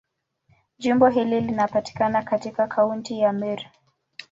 Jimbo hili linapatikana katika Kaunti ya Meru.